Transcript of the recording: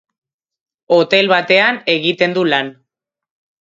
Hotel batean egiten du lan.